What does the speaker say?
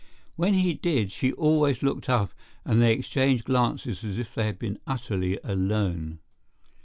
When he did, she always looked up and they exchanged glances as if they had been utterly alone.